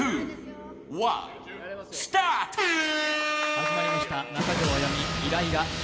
始まりました、中条あやみ。